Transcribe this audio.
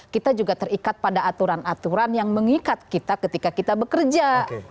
kita juga terikat pada aturan aturan yang mengikat kita ketika kita bekerja